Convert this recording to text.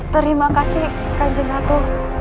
terima kasih kanjeng ratu